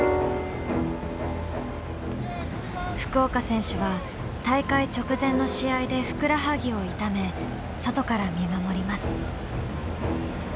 福岡選手は大会直前の試合でふくらはぎを痛め外から見守ります。